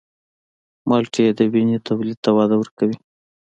مالټې د وینې تولید ته وده ورکوي.